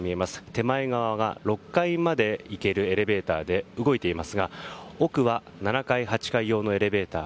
手前側が６階まで行けるエレベーターで動いていますが奥は７階・８階用のエレベーター。